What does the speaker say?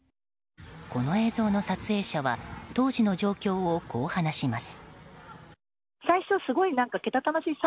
この映像の撮影者は当時の状況をこう話します。